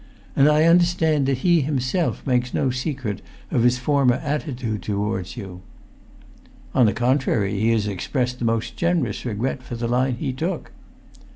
And I understand that he himself makes no secret of his former attitude towards you." "On the contrary, he has expressed the most generous regret for the line he took."